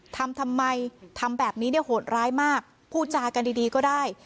ทำทำไมทำแบบนี้เนี่ยโหดร้ายมากพูดจากันดีก็ได้